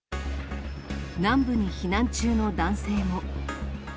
南部に避難中の男性も。